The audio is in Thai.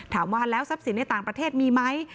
ถามว่าแล้วทรัพย์สินในต่างประเทศมีไหม